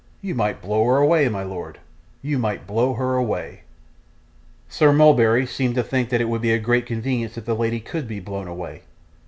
You might blow her away, my lord; you might blow her away.' Sir Mulberry seemed to think that it would be a great convenience if the lady could be blown away.